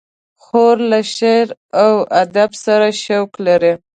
خور له شعر و ادب سره شوق لري.